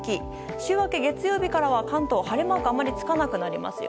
週明け月曜日からは関東晴れマークがつかなくなります。